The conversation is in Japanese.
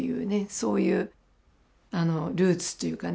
そういうルーツというかね